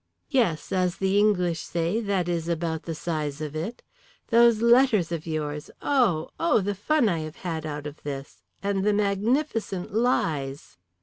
"Yes. As the English say, that is about the size of it. Those letters of yours! Oh, oh! The fun I have had out of this. And the magnificent lies!"